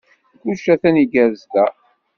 Kullec a-t-an igerrez da.